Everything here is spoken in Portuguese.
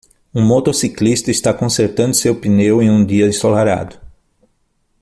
Um motociclista está consertando seu pneu em um dia ensolarado